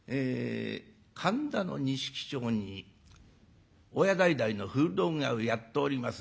神田の錦町に親代々の古道具屋をやっております